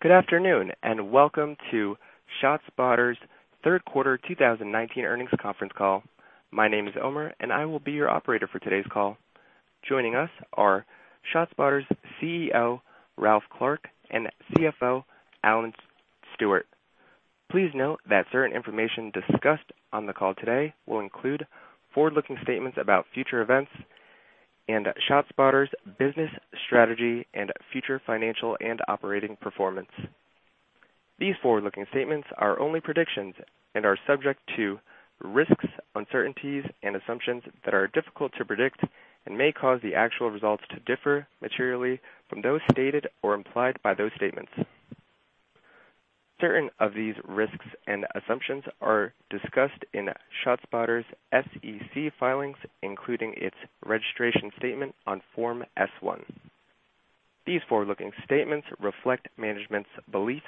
Good afternoon, and welcome to ShotSpotter's third quarter 2019 earnings conference call. My name is Omer, and I will be your operator for today's call. Joining us are ShotSpotter's CEO, Ralph Clark, and CFO, Alan Stewart. Please note that certain information discussed on the call today will include forward-looking statements about future events and ShotSpotter's business strategy and future financial and operating performance. These forward-looking statements are only predictions and are subject to risks, uncertainties, and assumptions that are difficult to predict and may cause the actual results to differ materially from those stated or implied by those statements. Certain of these risks and assumptions are discussed in ShotSpotter's SEC filings, including its registration statement on Form S-1. These forward-looking statements reflect management's beliefs,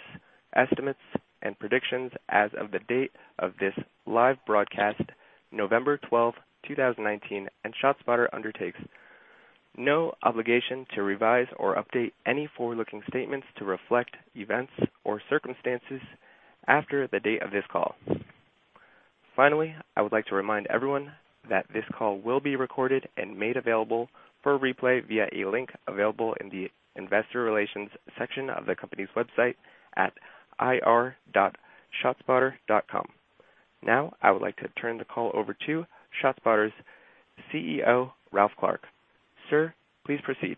estimates, and predictions as of the date of this live broadcast, November 12, 2019, and ShotSpotter undertakes no obligation to revise or update any forward-looking statements to reflect events or circumstances after the date of this call. Finally, I would like to remind everyone that this call will be recorded and made available for replay via a link available in the investor relations section of the company's website at ir.shotspotter.com. Now, I would like to turn the call over to ShotSpotter's CEO, Ralph Clark. Sir, please proceed.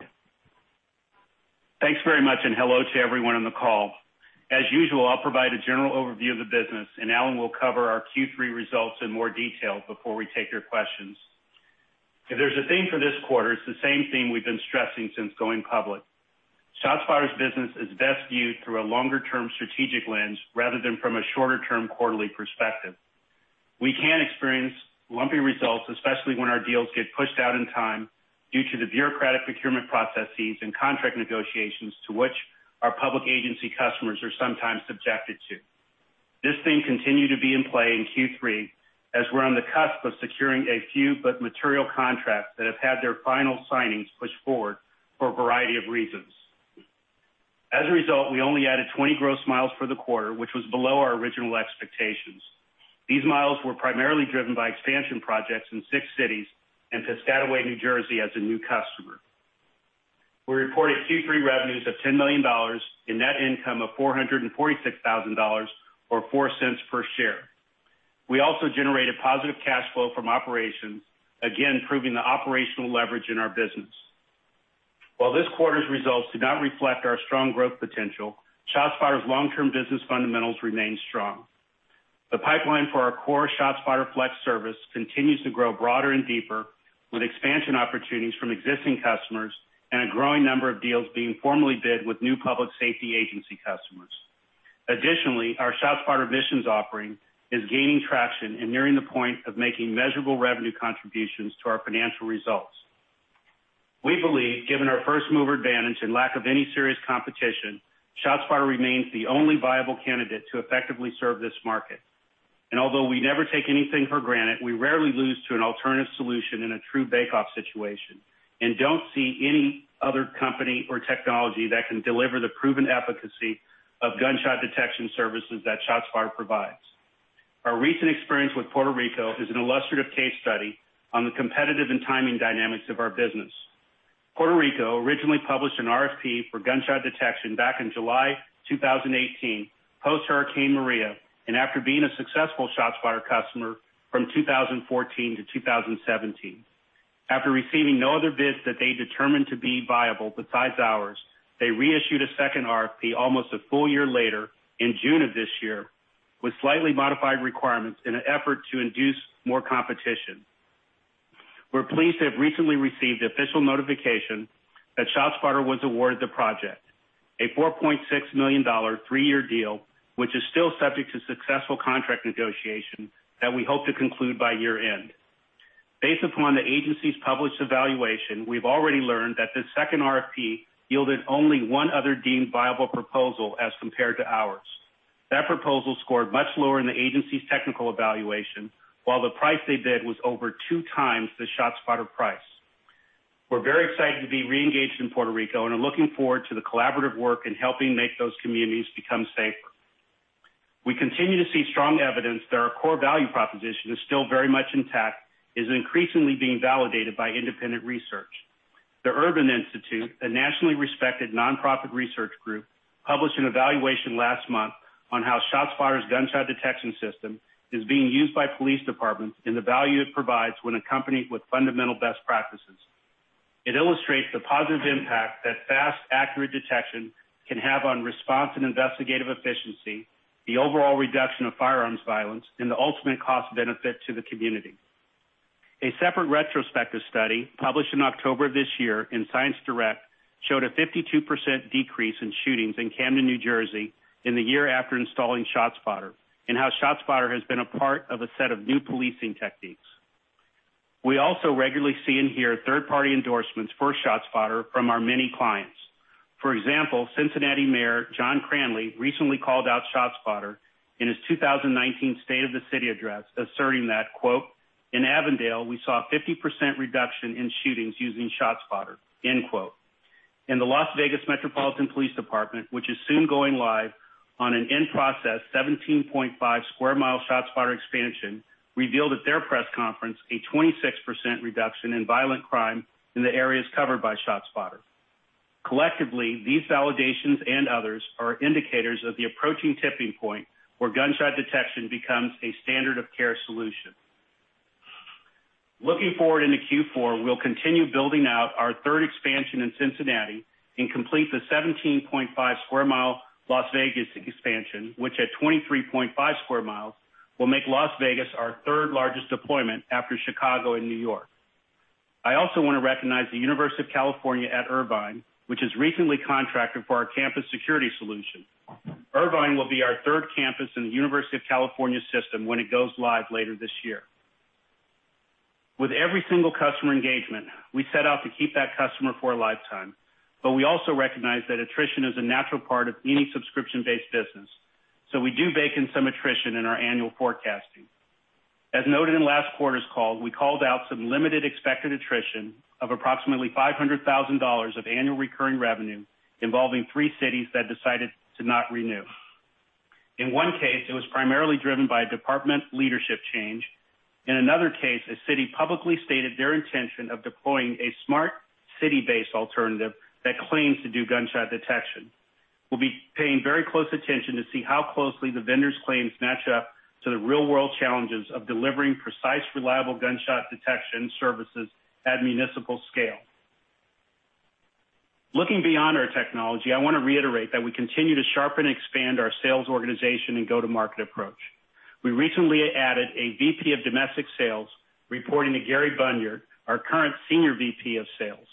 Thanks very much, and hello to everyone on the call. As usual, I'll provide a general overview of the business, and Alan will cover our Q3 results in more detail before we take your questions. If there's a theme for this quarter, it's the same theme we've been stressing since going public. ShotSpotter's business is best viewed through a longer-term strategic lens rather than from a shorter-term quarterly perspective. We can experience lumpy results, especially when our deals get pushed out in time due to the bureaucratic procurement processes and contract negotiations to which our public agency customers are sometimes subjected to. This theme continued to be in play in Q3, as we're on the cusp of securing a few but material contracts that have had their final signings pushed forward for a variety of reasons. As a result, we only added 20 gross miles for the quarter, which was below our original expectations. These miles were primarily driven by expansion projects in six cities and Piscataway, New Jersey, as a new customer. We reported Q3 revenues of $10 million and net income of $446,000 or $0.04 per share. We also generated positive cash flow from operations, again, proving the operational leverage in our business. While this quarter's results did not reflect our strong growth potential, ShotSpotter's long-term business fundamentals remain strong. The pipeline for our core ShotSpotter Flex service continues to grow broader and deeper with expansion opportunities from existing customers and a growing number of deals being formally bid with new public safety agency customers. Additionally, our ShotSpotter Missions offering is gaining traction and nearing the point of making measurable revenue contributions to our financial results. We believe, given our first-mover advantage and lack of any serious competition, ShotSpotter remains the only viable candidate to effectively serve this market. Although we never take anything for granted, we rarely lose to an alternative solution in a true bake-off situation and don't see any other company or technology that can deliver the proven efficacy of gunshot detection services that ShotSpotter provides. Our recent experience with Puerto Rico is an illustrative case study on the competitive and timing dynamics of our business. Puerto Rico originally published an RFP for gunshot detection back in July 2018, post-Hurricane Maria, and after being a successful ShotSpotter customer from 2014 to 2017. After receiving no other bids that they determined to be viable besides ours, they reissued a second RFP almost a full year later in June of this year with slightly modified requirements in an effort to induce more competition, where police have recently received official notification that ShotSpotter was awarded the project, a $4.6 million three-year deal, which is still subject to successful contract negotiation that we hope to conclude by year-end. Based upon the agency's published evaluation, we've already learned that this second RFP yielded only one other deemed viable proposal as compared to ours. That proposal scored much lower in the agency's technical evaluation, while the price they bid was over two times the ShotSpotter price. We're very excited to be re-engaged in Puerto Rico and are looking forward to the collaborative work in helping make those communities become safer. We continue to see strong evidence that our core value proposition is still very much intact, is increasingly being validated by independent research. The Urban Institute, a nationally respected nonprofit research group, published an evaluation last month on how ShotSpotter's gunshot detection system is being used by police departments and the value it provides when accompanied with fundamental best practices. It illustrates the positive impact that fast, accurate detection can have on response and investigative efficiency, the overall reduction of firearms violence, and the ultimate cost benefit to the community. A separate retrospective study, published in October of this year in ScienceDirect, showed a 52% decrease in shootings in Camden, New Jersey, in the year after installing ShotSpotter, and how ShotSpotter has been a part of a set of new policing techniques. We also regularly see and hear third-party endorsements for ShotSpotter from our many clients. For example, Cincinnati Mayor John Cranley recently called out ShotSpotter in his 2019 State of the City address, asserting that, quote "In Avondale, we saw a 50% reduction in shootings using ShotSpotter." The Las Vegas Metropolitan Police Department, which is soon going live on an in-process 17.5 square mile ShotSpotter expansion, revealed at their press conference a 26% reduction in violent crime in the areas covered by ShotSpotter. Collectively, these validations and others are indicators of the approaching tipping point where gunshot detection becomes a standard of care solution. Looking forward into Q4, we'll continue building out our third expansion in Cincinnati and complete the 17.5 square mile Las Vegas expansion, which at 23.5 square miles will make Las Vegas our third largest deployment after Chicago and New York. I also want to recognize the University of California, Irvine, which has recently contracted for our campus security solution. Irvine will be our third campus in the University of California system when it goes live later this year. With every single customer engagement, we set out to keep that customer for a lifetime. We also recognize that attrition is a natural part of any subscription-based business, so we do bake in some attrition in our annual forecasting. As noted in last quarter's call, we called out some limited expected attrition of approximately $500,000 of annual recurring revenue involving three cities that decided to not renew. In one case, it was primarily driven by a department leadership change. In another case, a city publicly stated their intention of deploying a smart city-based alternative that claims to do gunshot detection. We'll be paying very close attention to see how closely the vendor's claims match up to the real-world challenges of delivering precise, reliable gunshot detection services at municipal scale. Looking beyond our technology, I want to reiterate that we continue to sharpen and expand our sales organization and go-to-market approach. We recently added a VP of domestic sales reporting to Gary Bunyard, our current Senior VP of sales.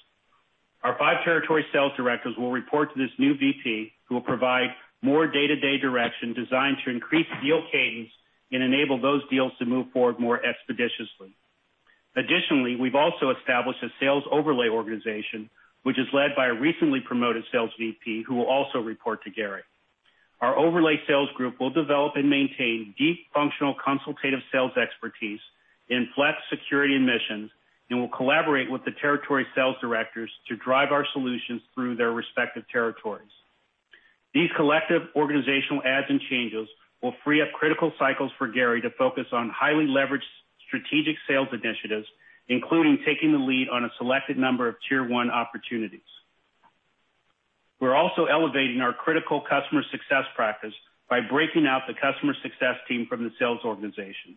Our five territory sales directors will report to this new VP, who will provide more day-to-day direction designed to increase deal cadence and enable those deals to move forward more expeditiously. Additionally, we've also established a sales overlay organization, which is led by a recently promoted sales VP who will also report to Gary. Our overlay sales group will develop and maintain deep functional consultative sales expertise in ShotSpotter Flex and ShotSpotter Missions and will collaborate with the territory sales directors to drive our solutions through their respective territories. These collective organizational adds and changes will free up critical cycles for Gary to focus on highly leveraged strategic sales initiatives, including taking the lead on a selected number of tier 1 opportunities. We're also elevating our critical customer success practice by breaking out the customer success team from the sales organization.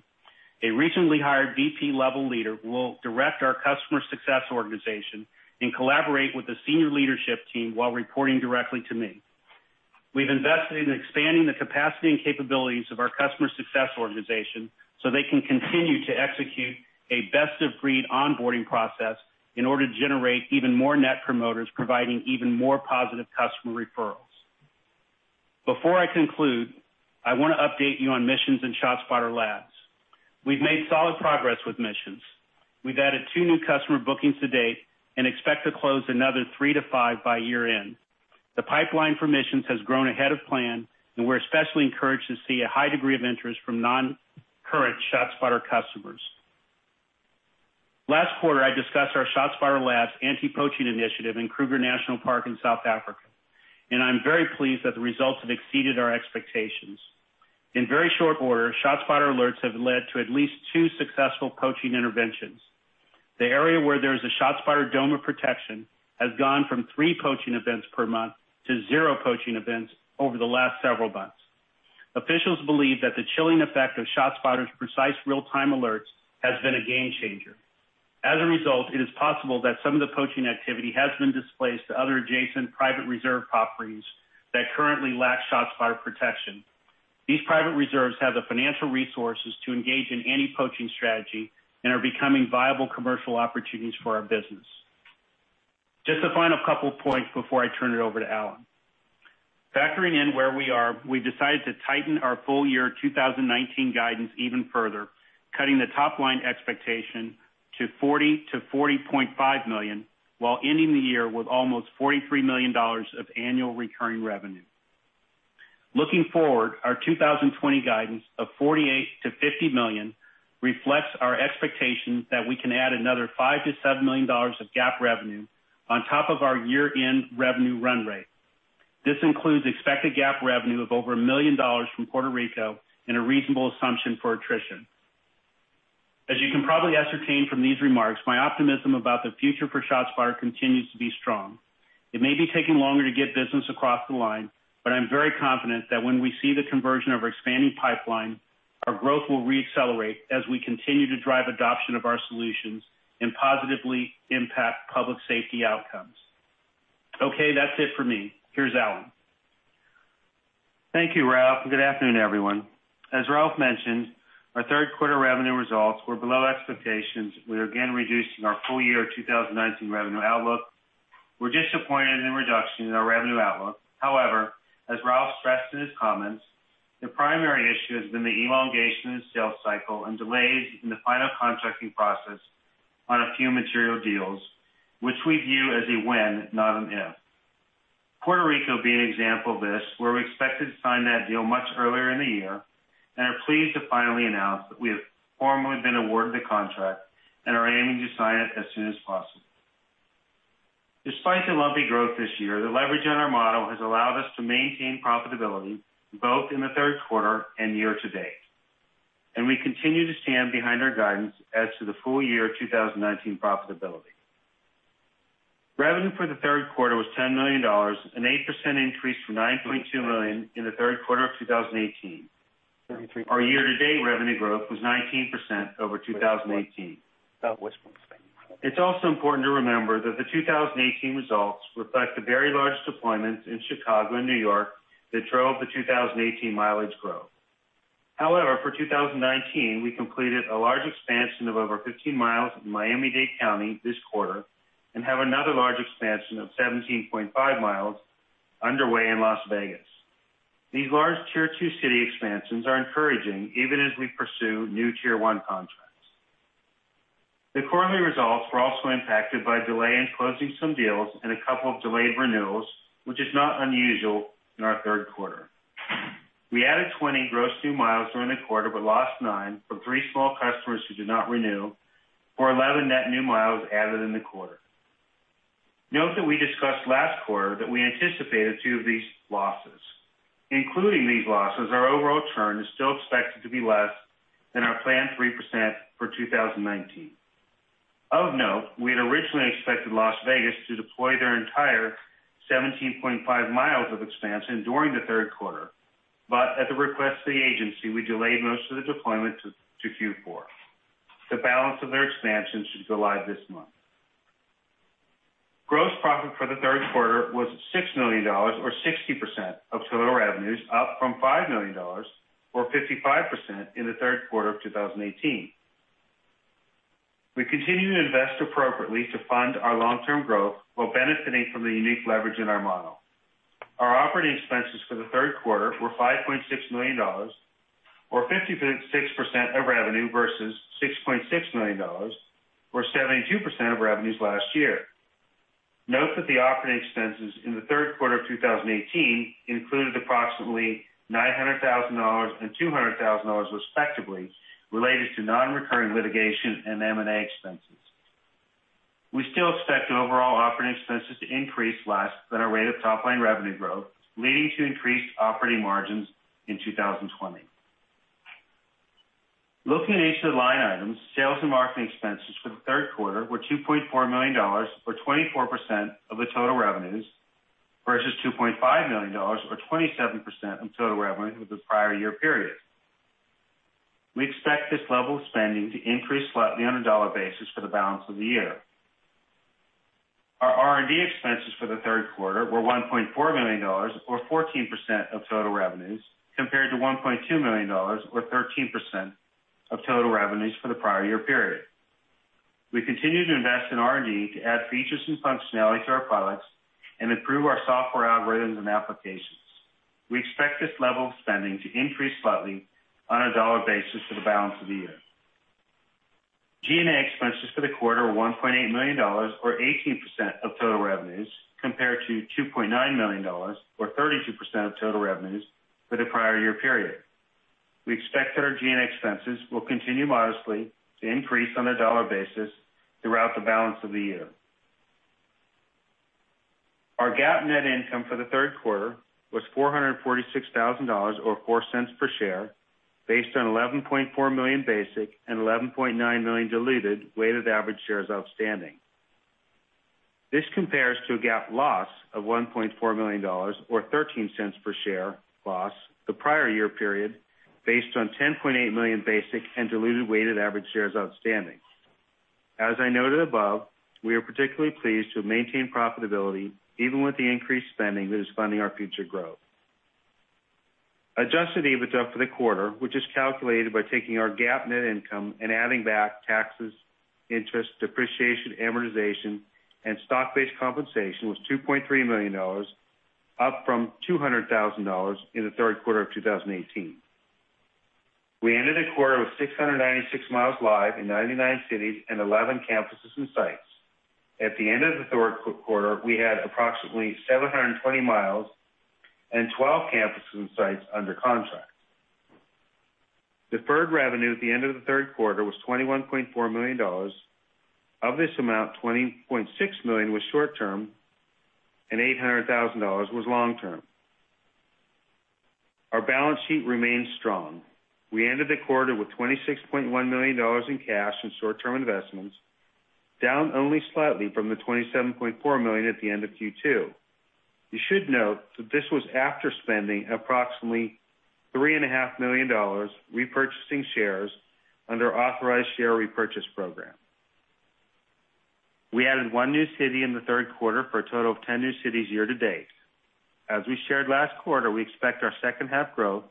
A recently hired VP-level leader will direct our customer success organization and collaborate with the senior leadership team while reporting directly to me. We've invested in expanding the capacity and capabilities of our customer success organization so they can continue to execute a best-of-breed onboarding process in order to generate even more net promoters, providing even more positive customer referrals. Before I conclude, I want to update you on Missions and ShotSpotter Labs. We've made solid progress with Missions. We've added two new customer bookings to date and expect to close another three to five by year-end. The pipeline for Missions has grown ahead of plan, and we're especially encouraged to see a high degree of interest from non-current ShotSpotter customers. Last quarter, I discussed our ShotSpotter Labs anti-poaching initiative in Kruger National Park in South Africa, and I'm very pleased that the results have exceeded our expectations. In very short order, ShotSpotter alerts have led to at least two successful poaching interventions. The area where there is a ShotSpotter dome of protection has gone from three poaching events per month to zero poaching events over the last several months. Officials believe that the chilling effect of ShotSpotter's precise real-time alerts has been a game changer. As a result, it is possible that some of the poaching activity has been displaced to other adjacent private reserve properties that currently lack ShotSpotter protection. These private reserves have the financial resources to engage in anti-poaching strategy and are becoming viable commercial opportunities for our business. Just a final couple points before I turn it over to Alan. Factoring in where we are, we've decided to tighten our full year 2019 guidance even further, cutting the top-line expectation to $40 million-$40.5 million, while ending the year with almost $43 million of annual recurring revenue. Looking forward, our 2020 guidance of $48 million-$50 million reflects our expectation that we can add another $5 million-$7 million of GAAP revenue on top of our year-end revenue run rate. This includes expected GAAP revenue of over $1 million from Puerto Rico and a reasonable assumption for attrition. As you can probably ascertain from these remarks, my optimism about the future for ShotSpotter continues to be strong. It may be taking longer to get business across the line, but I'm very confident that when we see the conversion of our expanding pipeline, our growth will re-accelerate as we continue to drive adoption of our solutions and positively impact public safety outcomes. Okay, that's it for me. Here's Alan. Thank you, Ralph, and good afternoon, everyone. As Ralph mentioned, our third quarter revenue results were below expectations. We are again reducing our full year 2019 revenue outlook. We're disappointed in the reduction in our revenue outlook. However, as Ralph stressed in his comments, the primary issue has been the elongation in the sales cycle and delays in the final contracting process on a few material deals, which we view as a win, not if. Puerto Rico being an example of this, where we expected to sign that deal much earlier in the year and are pleased to finally announce that we have formally been awarded the contract and are aiming to sign it as soon as possible. Despite the lumpy growth this year, the leverage on our model has allowed us to maintain profitability both in the third quarter and year to date. We continue to stand behind our guidance as to the full year 2019 profitability. Revenue for the third quarter was $10 million, an 8% increase from $9.2 million in the third quarter of 2018. Our year-to-date revenue growth was 19% over 2018. It's also important to remember that the 2018 results reflect the very large deployments in Chicago and New York that drove the 2018 mileage growth. However, for 2019, we completed a large expansion of over 15 miles in Miami-Dade County this quarter and have another large expansion of 17.5 miles underway in Las Vegas. These large tier 2 city expansions are encouraging even as we pursue new tier 1 contracts. The quarterly results were also impacted by a delay in closing some deals and a couple of delayed renewals, which is not unusual in our third quarter. We added 20 gross new miles during the quarter, but lost nine from three small customers who did not renew, for 11 net new miles added in the quarter. Note that we discussed last quarter that we anticipated two of these losses. Including these losses, our overall churn is still expected to be less than our planned 3% for 2019. Of note, we had originally expected Las Vegas to deploy their entire 17.5 miles of expansion during the third quarter, but at the request of the agency, we delayed most of the deployment to Q4. The balance of their expansion should go live this month. Gross profit for the third quarter was $6 million, or 60% of total revenues, up from $5 million, or 55%, in the third quarter of 2018. We continue to invest appropriately to fund our long-term growth while benefiting from the unique leverage in our model. Our operating expenses for the third quarter were $5.6 million, or 56% of revenue, versus $6.6 million or 72% of revenues last year. Note that the operating expenses in the third quarter of 2018 included approximately $900,000 and $200,000 respectively, related to non-recurring litigation and M&A expenses. We still expect overall operating expenses to increase less than our rate of top-line revenue growth, leading to increased operating margins in 2020. Looking at each of the line items, sales and marketing expenses for the third quarter were $2.4 million, or 24% of the total revenues, versus $2.5 million, or 27% of total revenue of the prior year period. We expect this level of spending to increase slightly on a dollar basis for the balance of the year. Our R&D expenses for the third quarter were $1.4 million, or 14% of total revenues, compared to $1.2 million or 13% of total revenues for the prior year period. We continue to invest in R&D to add features and functionality to our products and improve our software algorithms and applications. We expect this level of spending to increase slightly on a dollar basis for the balance of the year. G&A expenses for the quarter were $1.8 million, or 18% of total revenues, compared to $2.9 million, or 32% of total revenues for the prior year period. We expect that our G&A expenses will continue modestly to increase on a dollar basis throughout the balance of the year. Our GAAP net income for the third quarter was $446,000, or $0.04 per share, based on 11.4 million basic and 11.9 million diluted weighted average shares outstanding. This compares to a GAAP loss of $1.4 million or $0.13 per share loss the prior year period, based on 10.8 million basic and diluted weighted average shares outstanding. As I noted above, we are particularly pleased to have maintained profitability even with the increased spending that is funding our future growth. Adjusted EBITDA for the quarter, which is calculated by taking our GAAP net income and adding back taxes, interest, depreciation, amortization, and stock-based compensation, was $2.3 million, up from $200,000 in the third quarter of 2018. We ended the quarter with 696 miles live in 99 cities and 11 campuses and sites. At the end of the third quarter, we had approximately 720 miles and 12 campuses and sites under contract. Deferred revenue at the end of the third quarter was $21.4 million. Of this amount, $20.6 million was short-term and $800,000 was long-term. Our balance sheet remains strong. We ended the quarter with $26.1 million in cash and short-term investments, down only slightly from the $27.4 million at the end of Q2. You should note that this was after spending approximately $3.5 million repurchasing shares under our authorized share repurchase program. We added one new city in the third quarter for a total of 10 new cities year to date. As we shared last quarter, we expect our second half growth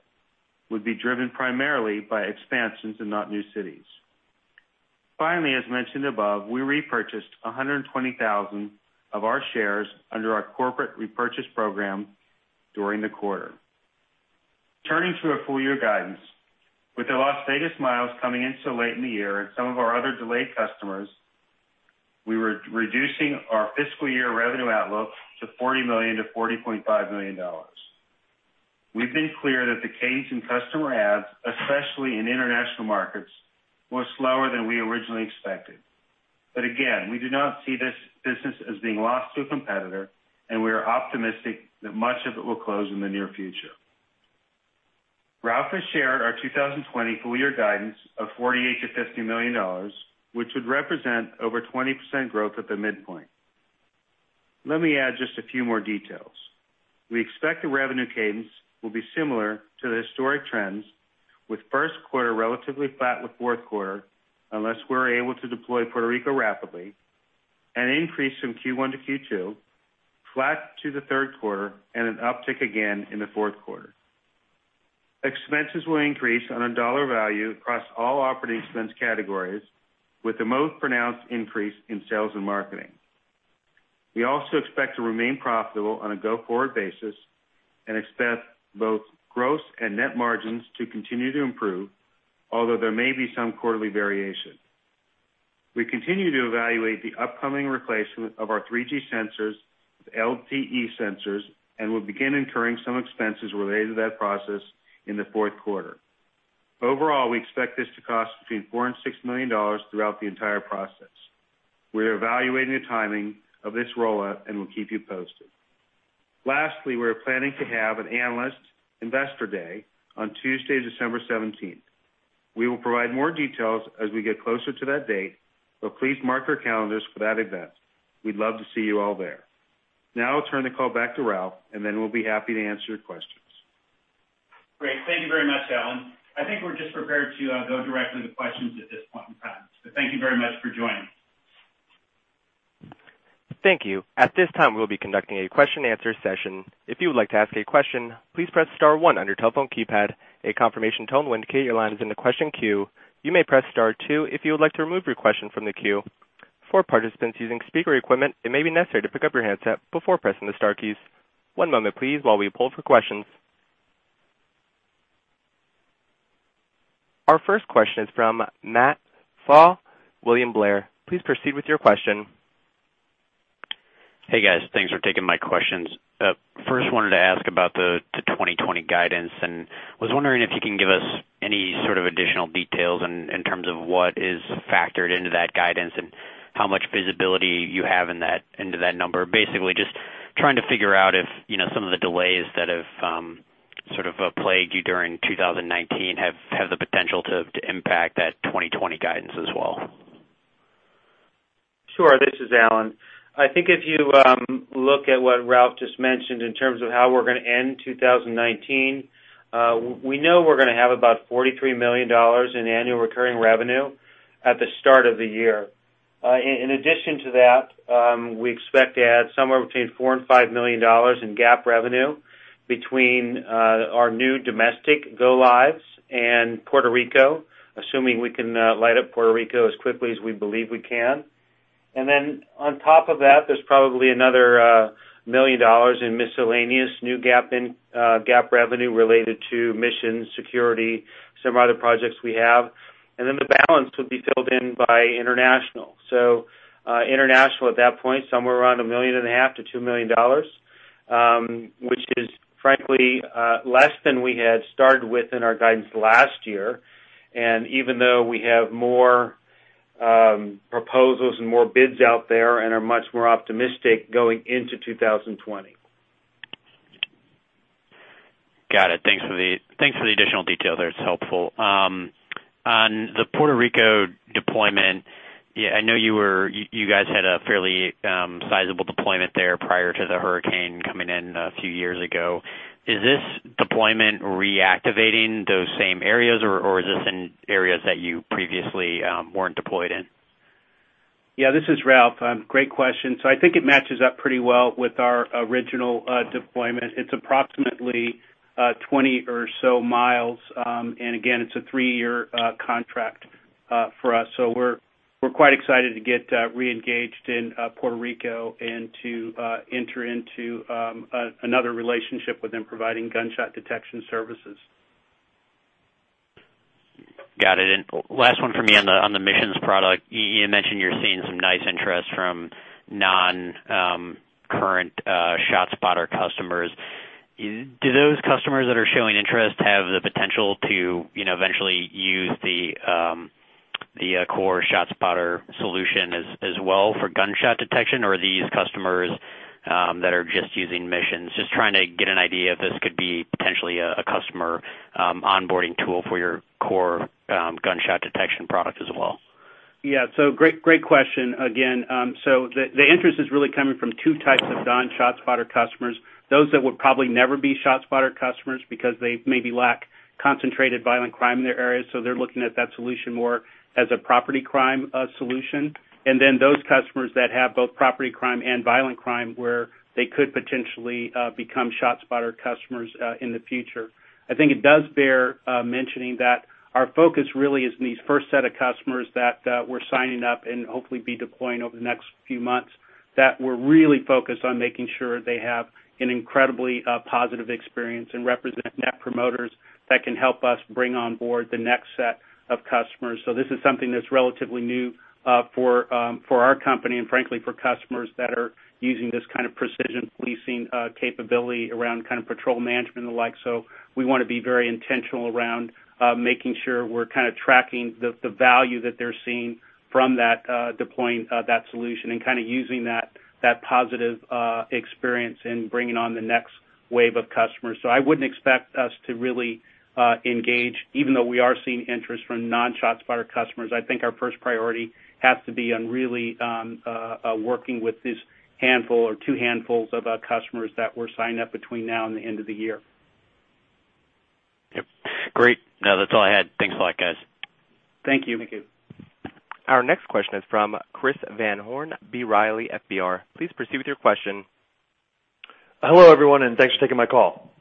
would be driven primarily by expansions and not new cities. As mentioned above, we repurchased 120,000 of our shares under our corporate repurchase program during the quarter. Turning to our full-year guidance. With the Las Vegas coming in so late in the year and some of our other delayed customers, we were reducing our fiscal year revenue outlook to $40 million-$40.5 million. We've been clear that the cadence in customer adds, especially in international markets, was slower than we originally expected. Again, we do not see this business as being lost to a competitor, and we are optimistic that much of it will close in the near future. Ralph has shared our 2020 full year guidance of $48 million-$50 million, which would represent over 20% growth at the midpoint. Let me add just a few more details. We expect the revenue cadence will be similar to the historic trends, with first quarter relatively flat with fourth quarter, unless we're able to deploy Puerto Rico rapidly, an increase from Q1 to Q2, flat to the third quarter, and an uptick again in the fourth quarter. Expenses will increase on a dollar value across all operating expense categories, with the most pronounced increase in sales and marketing. We also expect to remain profitable on a go-forward basis and expect both gross and net margins to continue to improve, although there may be some quarterly variation. We continue to evaluate the upcoming replacement of our 3G sensors with LTE sensors and will begin incurring some expenses related to that process in the fourth quarter. Overall, we expect this to cost between $4 million and $6 million throughout the entire process. We're evaluating the timing of this rollout. We'll keep you posted. Lastly, we're planning to have an analyst investor day on Tuesday, December 17th. We will provide more details as we get closer to that date. Please mark your calendars for that event. We'd love to see you all there. Now I'll turn the call back to Ralph. We'll be happy to answer your questions. Great. Thank you very much, Alan. I think we're just prepared to go directly to questions at this point in time. Thank you very much for joining. Thank you. At this time, we'll be conducting a question-answer session. If you would like to ask a question, please press star 1 on your telephone keypad. A confirmation tone will indicate your line is in the question queue. You may press star 2 if you would like to remove your question from the queue. For participants using speaker equipment, it may be necessary to pick up your handset before pressing the star keys. One moment, please, while we pull for questions. Our first question is from Matt Pfau, William Blair. Please proceed with your question. Hey, guys. Thanks for taking my questions. First, wanted to ask about the 2020 guidance, and was wondering if you can give us any sort of additional details in terms of what is factored into that guidance and how much visibility you have into that number? Basically, just trying to figure out if some of the delays that have sort of plagued you during 2019 have the potential to impact that 2020 guidance as well? Sure. This is Alan. I think if you look at what Ralph just mentioned in terms of how we're going to end 2019, we know we're going to have about $43 million in annual recurring revenue at the start of the year. In addition to that, we expect to add somewhere between $4 million-$5 million in GAAP revenue between our new domestic go-lives and Puerto Rico, assuming we can light up Puerto Rico as quickly as we believe we can. On top of that, there's probably another $1 million in miscellaneous new GAAP revenue related to mission security, some other projects we have. International, at that point, somewhere around a million and a half to $2 million, which is frankly, less than we had started with in our guidance last year. Even though we have more proposals and more bids out there and are much more optimistic going into 2020. Got it. Thanks for the additional detail there. It's helpful. On the Puerto Rico deployment, I know you guys had a fairly sizable deployment there prior to the hurricane coming in a few years ago. Is this deployment reactivating those same areas, or is this in areas that you previously weren't deployed in? Yeah, this is Ralph. Great question. I think it matches up pretty well with our original deployment. It's approximately 20 or so miles. Again, it's a three-year contract for us. We're quite excited to get re-engaged in Puerto Rico and to enter into another relationship with them, providing gunshot detection services. Got it. Last one from me on the Missions product. You mentioned you're seeing some nice interest from non-current ShotSpotter customers. Do those customers that are showing interest have the potential to eventually use the core ShotSpotter solution as well for gunshot detection, or are these customers that are just using Missions? Just trying to get an idea if this could be potentially a customer onboarding tool for your core gunshot detection product as well. Yeah. Great question again. The interest is really coming from two types of non-ShotSpotter customers, those that would probably never be ShotSpotter customers because they maybe lack concentrated violent crime in their areas, so they're looking at that solution more as a property crime solution. Then those customers that have both property crime and violent crime, where they could potentially become ShotSpotter customers in the future. I think it does bear mentioning that our focus really is in these first set of customers that we're signing up and hopefully be deploying over the next few months. That we're really focused on making sure they have an incredibly positive experience and represent net promoters that can help us bring on board the next set of customers. This is something that's relatively new for our company and frankly, for customers that are using this kind of precision policing capability around patrol management and the like. We want to be very intentional around making sure we're kind of tracking the value that they're seeing from deploying that solution and kind of using that positive experience and bringing on the next wave of customers. I wouldn't expect us to really engage, even though we are seeing interest from non-ShotSpotter customers. I think our first priority has to be on really working with this handful or two handfuls of our customers that we're signed up between now and the end of the year. Yep. Great. No, that's all I had. Thanks a lot, guys. Thank you. Thank you. Our next question is from Chris Van Horn, B. Riley FBR. Please proceed with your question. Hello, everyone, and thanks for taking my call.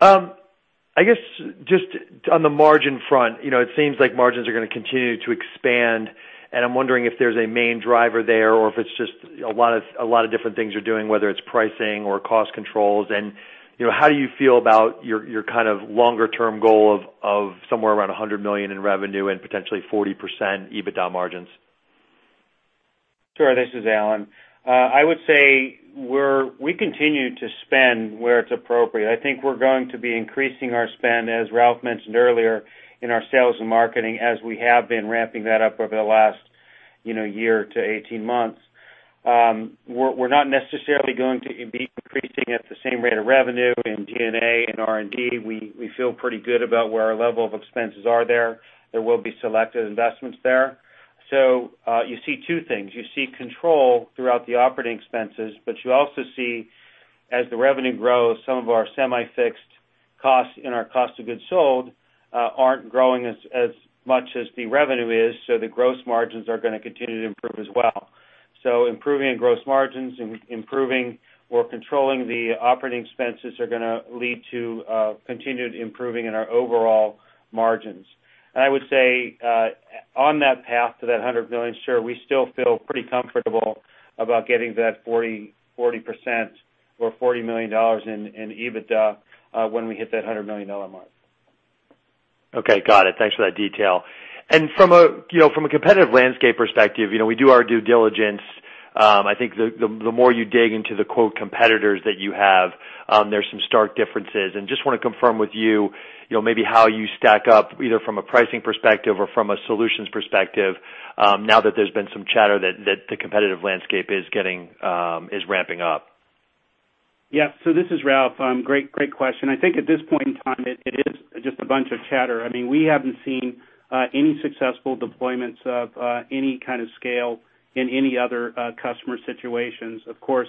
You're welcome. I guess just on the margin front, it seems like margins are going to continue to expand, and I'm wondering if there's a main driver there or if it's just a lot of different things you're doing, whether it's pricing or cost controls. How do you feel about your kind of longer-term goal of somewhere around $100 million in revenue and potentially 40% EBITDA margins? Sure. This is Alan. I would say we continue to spend where it's appropriate. I think we're going to be increasing our spend, as Ralph mentioned earlier, in our sales and marketing as we have been ramping that up over the last year to 18 months. We're not necessarily going to be increasing at the same rate of revenue in G&A and R&D. We feel pretty good about where our level of expenses are there. There will be selective investments there. You see two things. You see control throughout the operating expenses, but you also see as the revenue grows, some of our semi-fixed costs and our cost of goods sold aren't growing as much as the revenue is, so the gross margins are going to continue to improve as well. Improving gross margins, improving or controlling the operating expenses are going to lead to continued improving in our overall margins. I would say on that path to that $100 million, sure, we still feel pretty comfortable about getting that 40% or $40 million in EBITDA when we hit that $100 million mark. Okay. Got it. Thanks for that detail. From a competitive landscape perspective, we do our due diligence. I think the more you dig into the "competitors" that you have, there's some stark differences, and just want to confirm with you, maybe how you stack up, either from a pricing perspective or from a solutions perspective, now that there's been some chatter that the competitive landscape is ramping up. Yeah. This is Ralph. Great question. I think at this point in time, it is just a bunch of chatter. I mean, we haven't seen any successful deployments of any kind of scale in any other customer situations. Of course,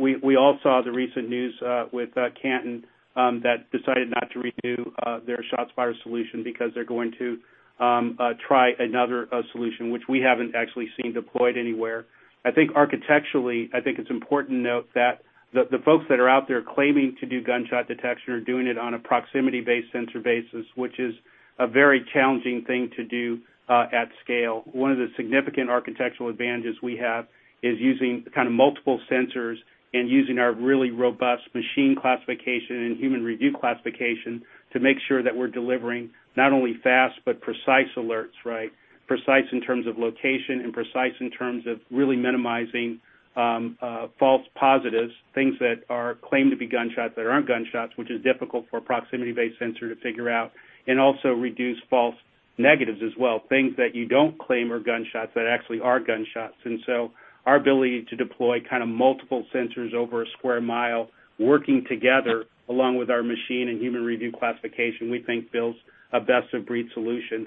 we all saw the recent news with Canton that decided not to renew their ShotSpotter solution because they're going to try another solution, which we haven't actually seen deployed anywhere. I think architecturally, I think it's important to note that the folks that are out there claiming to do gunshot detection are doing it on a proximity-based sensor basis, which is a very challenging thing to do at scale. One of the significant architectural advantages we have is using kind of multiple sensors and using our really robust machine classification and human review classification to make sure that we're delivering not only fast, but precise alerts. Precise in terms of location and precise in terms of really minimizing false positives, things that are claimed to be gunshots that aren't gunshots, which is difficult for a proximity-based sensor to figure out, and also reduce false negatives as well, things that you don't claim are gunshots that actually are gunshots. Our ability to deploy kind of multiple sensors over a square mile, working together along with our machine and human review classification, we think builds a best-of-breed solution.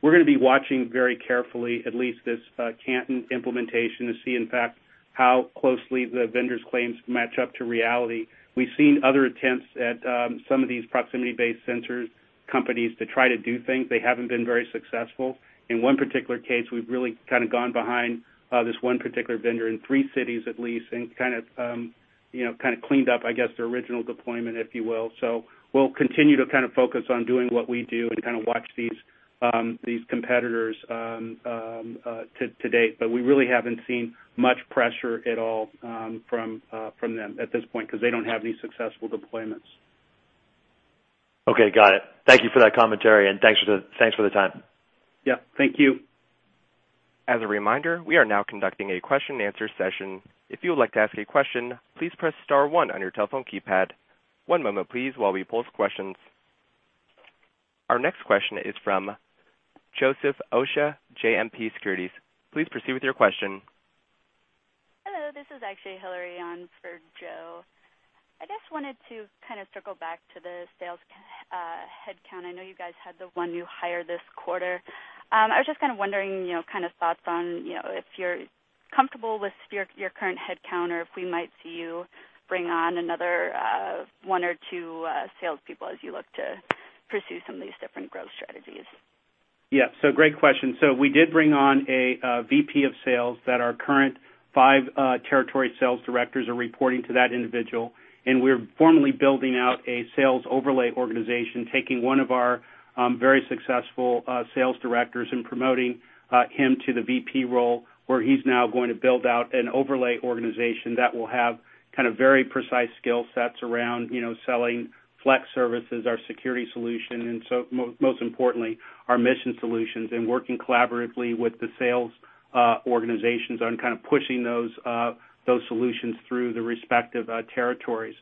We're going to be watching very carefully, at least this Canton implementation, to see, in fact, how closely the vendor's claims match up to reality. We've seen other attempts at some of these proximity-based sensors companies to try to do things. They haven't been very successful. In one particular case, we've really kind of gone behind this one particular vendor in three cities at least and kind of cleaned up, I guess, their original deployment, if you will. We'll continue to kind of focus on doing what we do and kind of watch these competitors to date. We really haven't seen much pressure at all from them at this point because they don't have any successful deployments. Okay. Got it. Thank you for that commentary, and thanks for the time. Yeah. Thank you. As a reminder, we are now conducting a question and answer session. If you would like to ask a question, please press star one on your telephone keypad. One moment please, while we pose questions. Our next question is from Joseph Osha, JMP Securities. Please proceed with your question. Hello. This is actually Hillary on for Joe. I just wanted to kind of circle back to the sales headcount. I know you guys had the one new hire this quarter. I was just kind of wondering kind of thoughts on if you're comfortable with your current headcount or if we might see you bring on another one or two salespeople as you look to pursue some of these different growth strategies. Yeah. Great question. We did bring on a VP of sales that our current Five territory sales directors are reporting to that individual, and we're formally building out a sales overlay organization, taking one of our very successful sales directors and promoting him to the VP role, where he's now going to build out an overlay organization that will have very precise skill sets around selling flex services, our security solution, and so most importantly, our mission solutions, and working collaboratively with the sales organizations on pushing those solutions through the respective territories.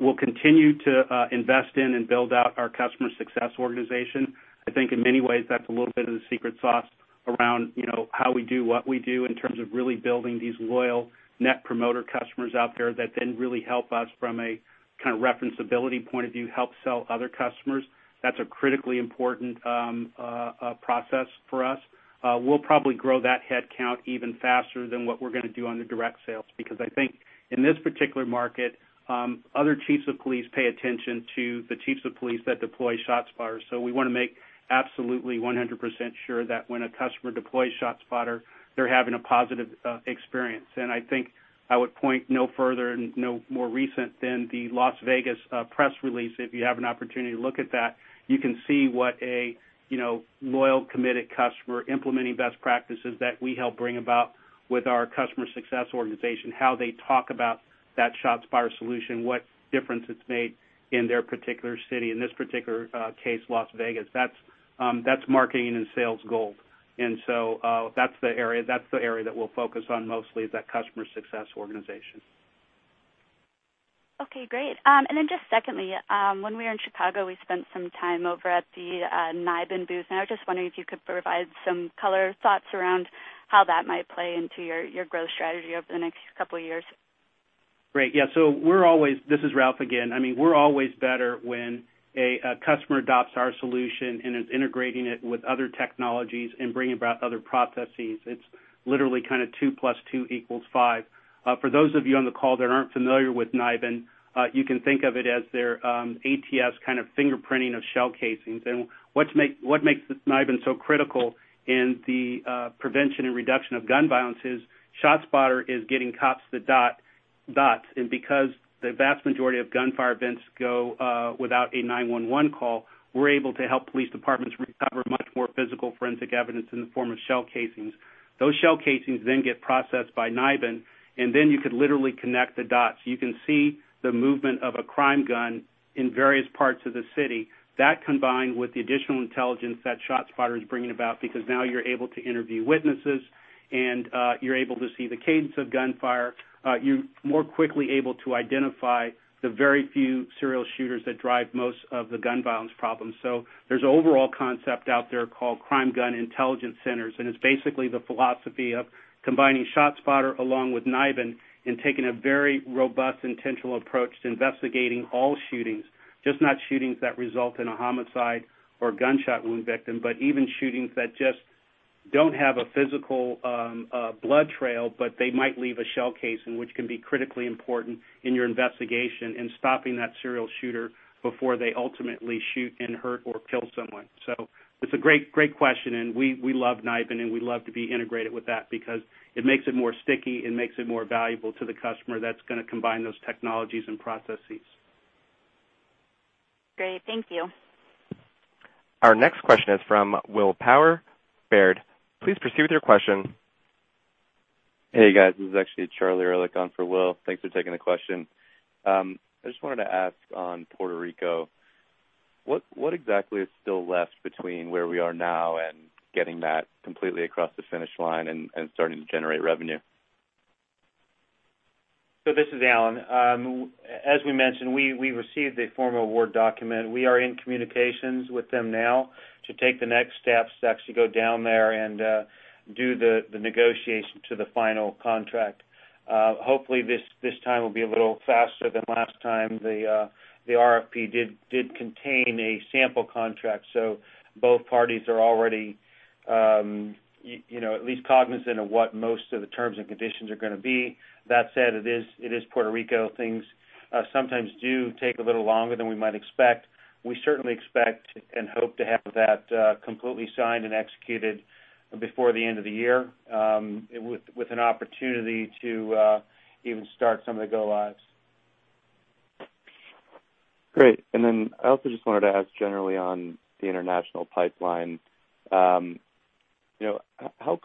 We'll continue to invest in and build out our customer success organization. I think in many ways, that's a little bit of the secret sauce around how we do what we do in terms of really building these loyal net promoter customers out there that then really help us from a kind of referencability point of view, help sell other customers. That's a critically important process for us. We'll probably grow that headcount even faster than what we're going to do on the direct sales, because I think in this particular market, other chiefs of police pay attention to the chiefs of police that deploy ShotSpotter. We want to make absolutely 100% sure that when a customer deploys ShotSpotter, they're having a positive experience. I think I would point no further and no more recent than the Las Vegas press release. If you have an opportunity to look at that, you can see what a loyal, committed customer implementing best practices that we help bring about with our customer success organization, how they talk about that ShotSpotter solution, what difference it's made in their particular city. In this particular case, Las Vegas. That's marketing and sales gold. That's the area that we'll focus on mostly, is that customer success organization. Okay, great. Just secondly, when we were in Chicago, we spent some time over at the NIBIN booth. I was just wondering if you could provide some color thoughts around how that might play into your growth strategy over the next couple of years. Great. Yeah. This is Ralph again. We're always better when a customer adopts our solution and is integrating it with other technologies and bringing about other processes. It's literally kind of two plus two equals five. For those of you on the call that aren't familiar with NIBIN, you can think of it as their ATF kind of fingerprinting of shell casings. What makes NIBIN so critical in the prevention and reduction of gun violence is ShotSpotter is getting cops the dots. Because the vast majority of gunfire events go without a 911 call, we're able to help police departments recover much more physical forensic evidence in the form of shell casings. Those shell casings then get processed by NIBIN, and then you could literally connect the dots. You can see the movement of a crime gun in various parts of the city. That combined with the additional intelligence that ShotSpotter is bringing about because now you're able to interview witnesses and you're able to see the cadence of gunfire. You're more quickly able to identify the very few serial shooters that drive most of the gun violence problems. There's an overall concept out there called Crime Gun Intelligence Centers, and it's basically the philosophy of combining ShotSpotter along with NIBIN and taking a very robust, intentional approach to investigating all shootings, just not shootings that result in a homicide or gunshot wound victim, but even shootings that just don't have a physical blood trail, but they might leave a shell casing, which can be critically important in your investigation in stopping that serial shooter before they ultimately shoot and hurt or kill someone. It's a great question, and we love NIBIN, and we love to be integrated with that because it makes it more sticky and makes it more valuable to the customer that's going to combine those technologies and processes. Great. Thank you. Our next question is from Will Power, Baird. Please proceed with your question. Hey, guys. This is actually Charlie Ehrlich on for Will. Thanks for taking the question. I just wanted to ask on Puerto Rico, what exactly is still left between where we are now and getting that completely across the finish line and starting to generate revenue? This is Alan. As we mentioned, we received a formal award document. We are in communications with them now to take the next steps to actually go down there and do the negotiation to the final contract. Hopefully, this time will be a little faster than last time. The RFP did contain a sample contract, so both parties are already at least cognizant of what most of the terms and conditions are going to be. That said, it is Puerto Rico. Things sometimes do take a little longer than we might expect. We certainly expect and hope to have that completely signed and executed before the end of the year, with an opportunity to even start some of the go lives. Great. I also just wanted to ask generally on the international pipeline, how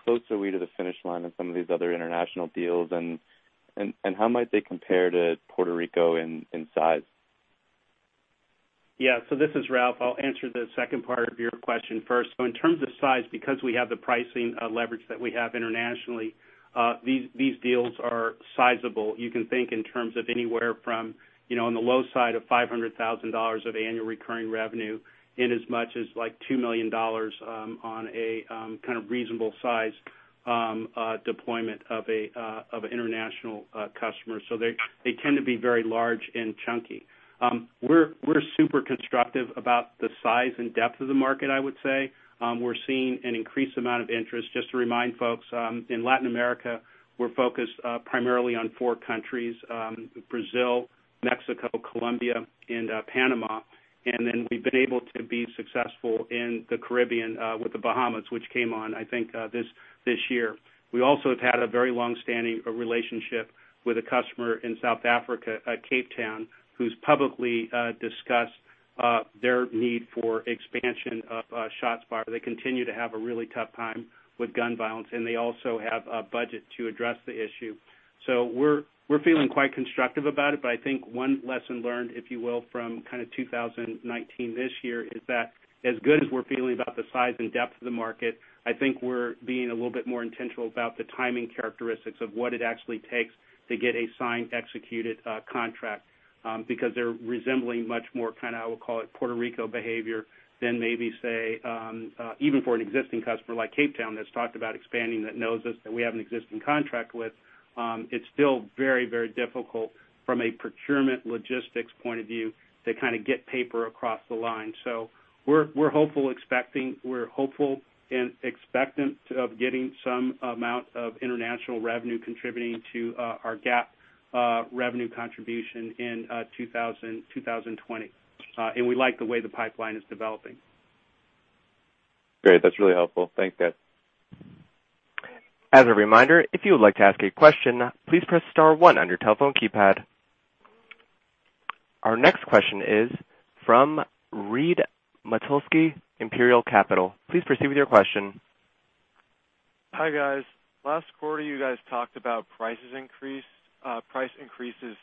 close are we to the finish line on some of these other international deals, and how might they compare to Puerto Rico in size? This is Ralph. I'll answer the second part of your question first. In terms of size, because we have the pricing leverage that we have internationally, these deals are sizable. You can think in terms of anywhere from on the low side of $500,000 of annual recurring revenue in as much as like $2 million on a kind of reasonable size deployment of an international customer. They tend to be very large and chunky. We're super constructive about the size and depth of the market, I would say. We're seeing an increased amount of interest. Just to remind folks, in Latin America, we're focused primarily on four countries, Brazil, Mexico, Colombia, and Panama. Then we've been able to be successful in the Caribbean with the Bahamas, which came on, I think, this year. We also have had a very long-standing relationship with a customer in South Africa, Cape Town, who's publicly discussed. Their need for expansion of ShotSpotter. They continue to have a really tough time with gun violence, and they also have a budget to address the issue. We're feeling quite constructive about it, but I think one lesson learned, if you will, from 2019 this year is that as good as we're feeling about the size and depth of the market, I think we're being a little bit more intentional about the timing characteristics of what it actually takes to get a signed, executed contract, because they're resembling much more, I will call it Puerto Rico behavior than maybe say, even for an existing customer like Cape Town that's talked about expanding, that knows us, that we have an existing contract with. It's still very difficult from a procurement logistics point of view to get paper across the line. We're hopeful and expectant of getting some amount of international revenue contributing to our GAAP revenue contribution in 2020. We like the way the pipeline is developing. Great. That's really helpful. Thank you. As a reminder, if you would like to ask a question, please press star one on your telephone keypad. Our next question is from Reid Matzke, Imperial Capital. Please proceed with your question. Hi, guys. Last quarter, you guys talked about price increases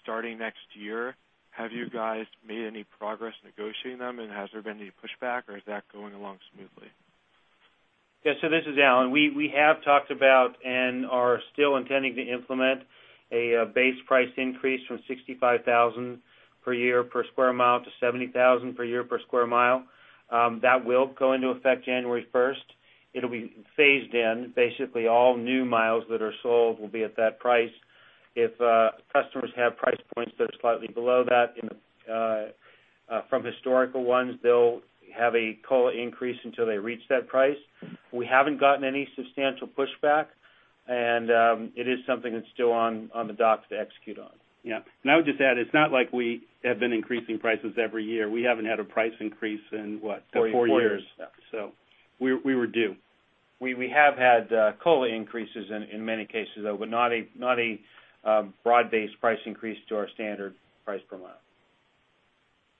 starting next year. Have you guys made any progress negotiating them, and has there been any pushback, or is that going along smoothly? Yeah. This is Alan. We have talked about and are still intending to implement a base price increase from $65,000 per year per square mile to $70,000 per year per square mile. That will go into effect January 1st. It'll be phased in. Basically, all new miles that are sold will be at that price. If customers have price points that are slightly below that from historical ones, they'll have a COLA increase until they reach that price. We haven't gotten any substantial pushback, it is something that's still on the dock to execute on. Yeah. I would just add, it's not like we have been increasing prices every year. We haven't had a price increase in what? Four years. Four years. We were due. We have had COLA increases in many cases, though, but not a broad-based price increase to our standard price per mile.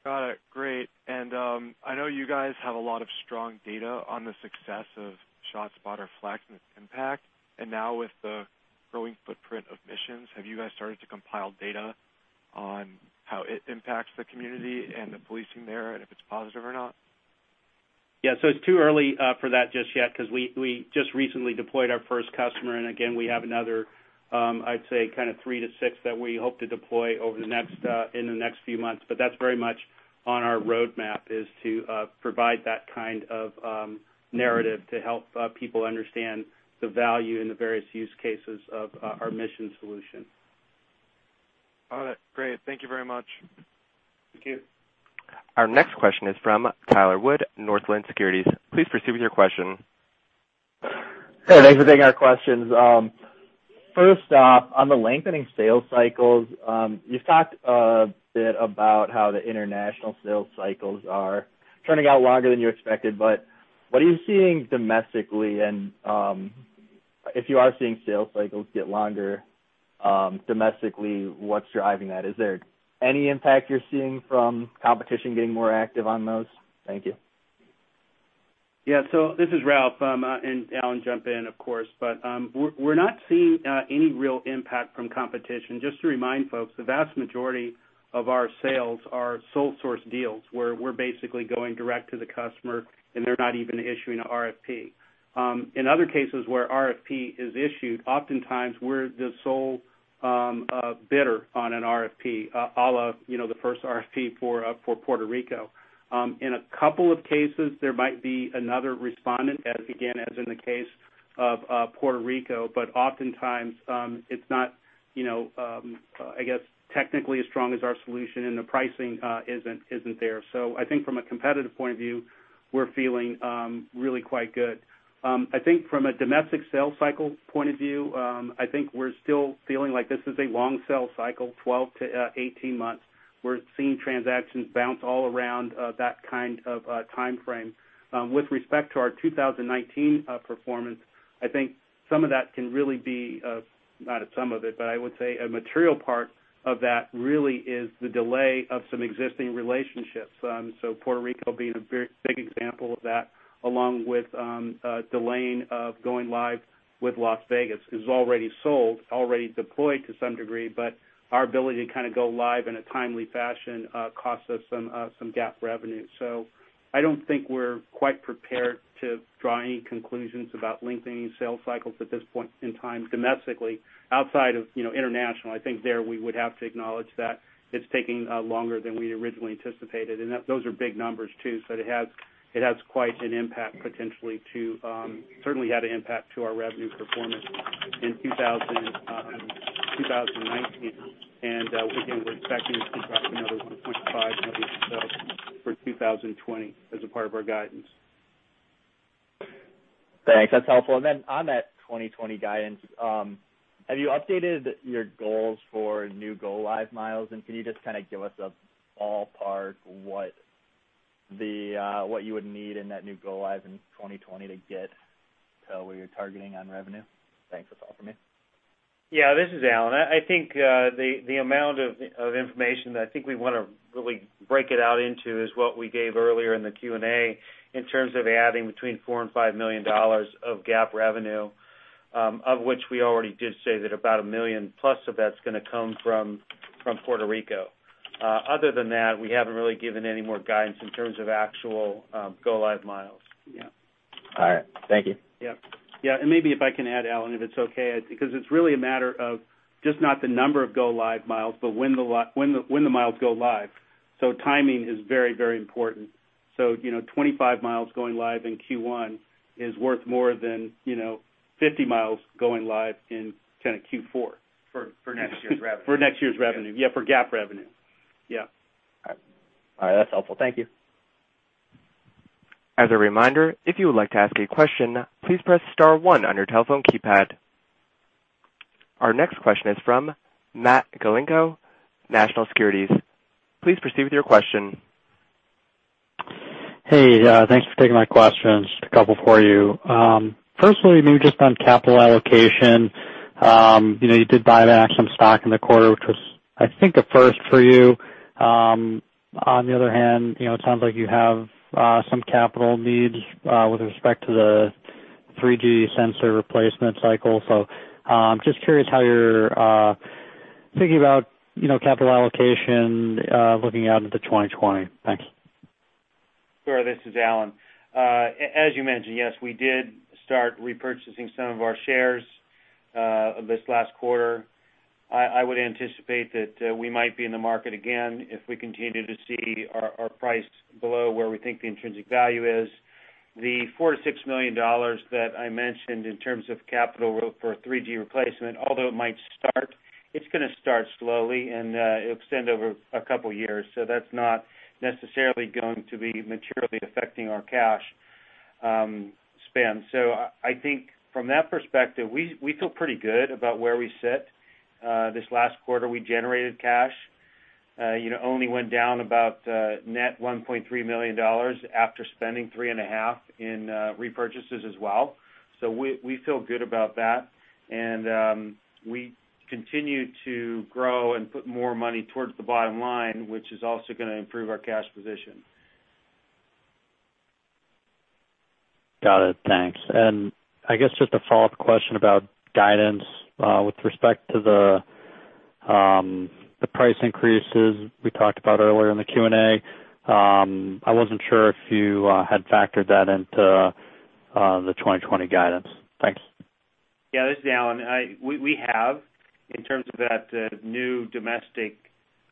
Got it. Great. I know you guys have a lot of strong data on the success of ShotSpotter Flex and its impact, and now with the growing footprint of missions, have you guys started to compile data on how it impacts the community and the policing there, and if it's positive or not? It's too early for that just yet, because we just recently deployed our first customer, and again, we have another, I'd say three to six that we hope to deploy in the next few months. That's very much on our roadmap is to provide that kind of narrative to help people understand the value and the various use cases of our ShotSpotter Missions. All right, great. Thank you very much. Thank you. Our next question is from Tyler Wood, Northland Securities. Please proceed with your question. Hey, thanks for taking our questions. First off, on the lengthening sales cycles, you've talked a bit about how the international sales cycles are turning out longer than you expected. What are you seeing domestically? If you are seeing sales cycles get longer domestically, what's driving that? Is there any impact you're seeing from competition getting more active on those? Thank you. Yeah. This is Ralph, and Alan jump in, of course, but we're not seeing any real impact from competition. Just to remind folks, the vast majority of our sales are sole source deals, where we're basically going direct to the customer, and they're not even issuing an RFP. In other cases where RFP is issued, oftentimes we're the sole bidder on an RFP, a la the first RFP for Puerto Rico. In a couple of cases, there might be another respondent, again, as in the case of Puerto Rico, but oftentimes, it's not technically as strong as our solution, and the pricing isn't there. I think from a competitive point of view, we're feeling really quite good. I think from a domestic sales cycle point of view, I think we're still feeling like this is a long sales cycle, 12-18 months. We're seeing transactions bounce all around that kind of timeframe. With respect to our 2019 performance, I think a material part of that really is the delay of some existing relationships. Puerto Rico being a big example of that, along with delaying of going live with Las Vegas, is already sold, already deployed to some degree, but our ability to go live in a timely fashion cost us some GAAP revenue. I don't think we're quite prepared to draw any conclusions about lengthening sales cycles at this point in time domestically outside of international. I think there we would have to acknowledge that it's taking longer than we had originally anticipated, and those are big numbers too. It has quite an impact potentially. Certainly had an impact to our revenue performance in 2019, and we think we're expecting to contract another 1.5 maybe for 2020 as a part of our guidance. Thanks. That's helpful. Then on that 2020 guidance, have you updated your goals for new go live miles? Can you just kind of give us a ballpark what you would need in that new go live in 2020 to get to where you're targeting on revenue? Thanks. That's all for me. Yeah, this is Alan. I think the amount of information that I think we want to really break it out into is what we gave earlier in the Q&A in terms of adding between $4 million and $5 million of GAAP revenue, of which we already did say that about $1 million plus of that's going to come from Puerto Rico. Other than that, we haven't really given any more guidance in terms of actual go live miles. Yeah. All right. Thank you. Yeah. Yeah. Maybe if I can add, Alan, if it's okay, because it's really a matter of just not the number of go live miles, but when the miles go live. Timing is very, very important. 25 miles going live in Q1 is worth more than 50 miles going live in Q4. For next year's revenue. Yeah, for GAAP revenue. Yeah. All right. That's helpful. Thank you. As a reminder, if you would like to ask a question, please press star one on your telephone keypad. Our next question is from Matt Galinko, National Securities. Please proceed with your question. Hey, thanks for taking my questions. Just a couple for you. Firstly, maybe just on capital allocation. You did buy back some stock in the quarter, which was, I think, a first for you. On the other hand, it sounds like you have some capital needs with respect to the 3G sensor replacement cycle. I'm just curious how you're thinking about capital allocation looking out into 2020. Thanks. Sure. This is Alan. As you mentioned, yes, we did start repurchasing some of our shares this last quarter. I would anticipate that we might be in the market again if we continue to see our price below where we think the intrinsic value is. The $46 million that I mentioned in terms of capital for 3G replacement, although it might start, it's going to start slowly, and it'll extend over a couple of years. That's not necessarily going to be materially affecting our cash spend. I think from that perspective, we feel pretty good about where we sit. This last quarter, we generated cash, only went down about net $1.3 million after spending $3.5 million in repurchases as well. We feel good about that. We continue to grow and put more money towards the bottom line, which is also going to improve our cash position. Got it. Thanks. I guess just a follow-up question about guidance with respect to the price increases we talked about earlier in the Q&A. I wasn't sure if you had factored that into the 2020 guidance. Thanks. Yeah. This is Alan. We have, in terms of that new domestic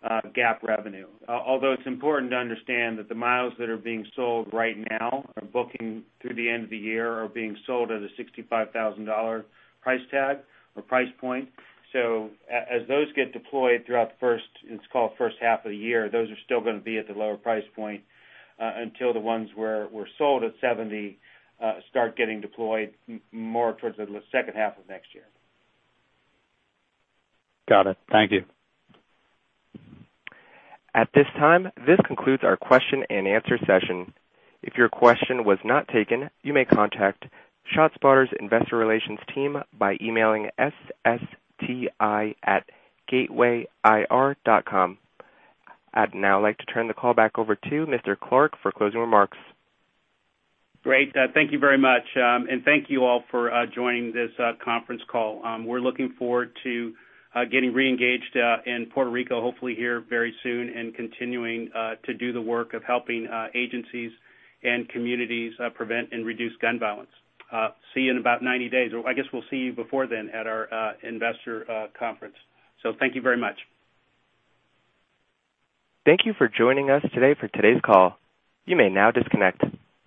GAAP revenue, although it's important to understand that the miles that are being sold right now are booking through the end of the year or being sold at a $65,000 price tag or price point. As those get deployed throughout the first, let's call it, first half of the year, those are still going to be at the lower price point until the ones where were sold at $70 start getting deployed more towards the second half of next year. Got it. Thank you. At this time, this concludes our question and answer session. If your question was not taken, you may contact ShotSpotter's investor relations team by emailing ssti@gatewayir.com. I'd now like to turn the call back over to Mr. Clark for closing remarks. Great. Thank you very much. Thank you all for joining this conference call. We're looking forward to getting re-engaged in Puerto Rico, hopefully here very soon and continuing to do the work of helping agencies and communities prevent and reduce gun violence. See you in about 90 days, or I guess we'll see you before then at our investor conference. Thank you very much. Thank you for joining us today for today's call. You may now disconnect.